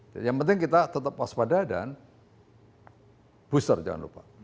yang penting kita tetap waspada dan booster jangan lupa